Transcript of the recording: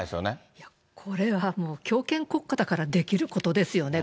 いや、これはもう、強権国家だからできることですよね。